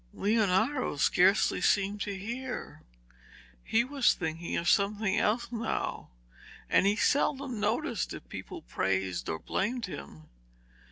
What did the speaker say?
Leonardo scarcely seemed to hear; he was thinking of something else now, and he seldom noticed if people praised or blamed him.